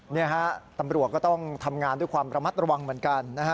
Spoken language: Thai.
นี่ฮะตำรวจก็ต้องทำงานด้วยความระมัดระวังเหมือนกันนะฮะ